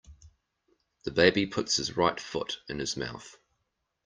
The baby puts his right foot in his mouth.